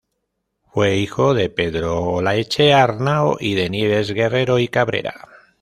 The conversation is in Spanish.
Fue hijo de Pedro de Olaechea Arnao y de Nieves Guerrero y Cabrera.